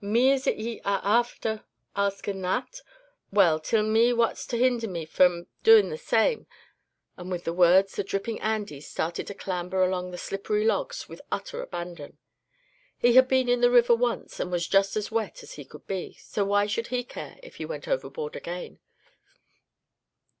"Me, is it ye arre afther askin' that? Well, till me what's to hinder me from doin' the same?" and with the words the dripping Andy started to clamber along the slippery logs with utter abandon; he had been in the river once, and was just as wet as he could be, so why should he care if he went overboard again?